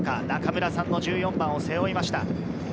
中村さんの１４番を背負いました。